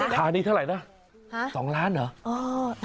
คราวนี้เท่าไหร่นะ๒ล้านเหรอ